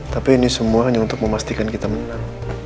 tapi ini semua hanya untuk memastikan kita menang